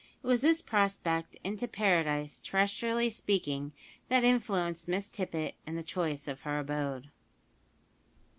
It was this prospect into paradise, terrestrially speaking, that influenced Miss Tippet in the choice of her abode.